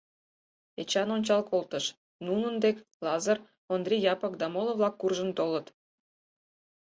Эчан ончал колтыш — нунын дек Лазыр, Ондри Япык да моло-влак куржын толыт.